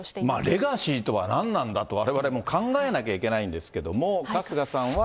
レガシーとは何なんだと、われわれも考えなきゃいけないんですけども、春日さんは。